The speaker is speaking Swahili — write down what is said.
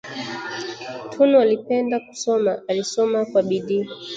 Tunu alipenda kusoma, alisoma kwa bidii